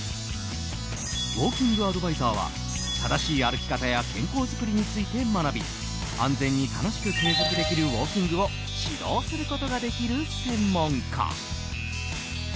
ウォーキングアドバイザーは正しい歩き方や健康作りについて学び安全に楽しく継続できるウォーキングを指導することができる専門家。